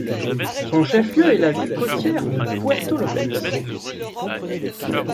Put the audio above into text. Son chef-lieu est la ville côtière de Puerto López.